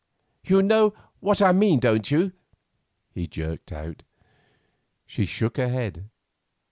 "You know what I mean, don't you?" he jerked out. She shook her head.